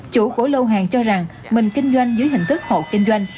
chủ của lô hàng cho rằng mình kinh doanh dưới hình thức hộ kinh doanh